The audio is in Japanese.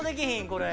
これ。